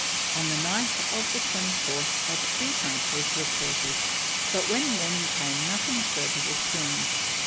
On the night of the 24th a tree trunk was reported, but when morning came nothing further was seen.